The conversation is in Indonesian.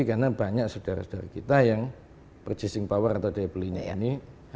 karena banyak saudara saudara kita yang purchasing power atau daya belinya ini